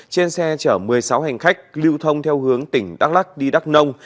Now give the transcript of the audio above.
trên xe chở một mươi sáu hành khách lưu thông theo hướng tỉnh đắk lắc đi đắk nông